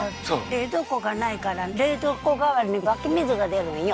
冷蔵庫が無いから冷蔵庫代わりに湧き水が出るんよ